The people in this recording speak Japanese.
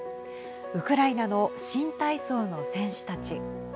ウクライナの新体操の選手たち。